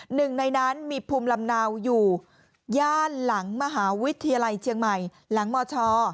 หนึ่งในนั้นมีภูมิลำเนาอยู่ย่านหลังมหาวิทยาลัยเชียงใหม่หลังมช